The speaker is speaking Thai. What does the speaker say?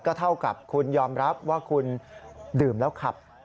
เท่ากับคุณยอมรับว่าคุณดื่มแล้วขับ